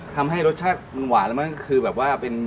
ทำให้รสชาติมันหวานแล้วมันคือแบบว่าเป็น